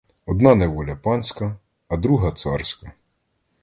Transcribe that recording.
Одна неволя панська, а друга — царська.